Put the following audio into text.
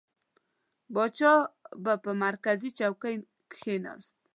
پاچا به پر مرکزي چوکۍ کښېنست.